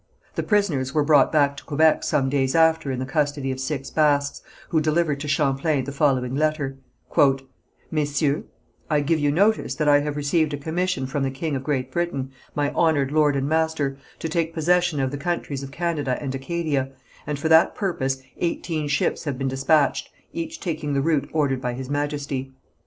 The prisoners were brought back to Quebec some days after in the custody of six Basques, who delivered to Champlain the following letter: "Messieurs: I give you notice that I have received a commission from the king of Great Britain, my honoured lord and master, to take possession of the countries of Canada and Acadia, and for that purpose eighteen ships have been despatched, each taking the route ordered by His Majesty.